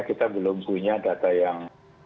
kita belum punya data yang